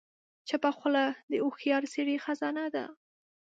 چپه خوله، د هوښیار سړي خزانه ده.